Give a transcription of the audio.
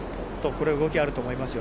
動きあると思いますよ。